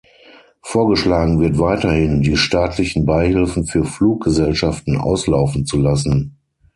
Vorgeschlagen wird weiterhin, die staatlichen Beihilfen für Fluggesellschaften auslaufen zu lassen.